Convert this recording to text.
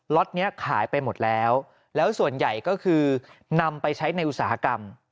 ็ตนี้ขายไปหมดแล้วแล้วส่วนใหญ่ก็คือนำไปใช้ในอุตสาหกรรม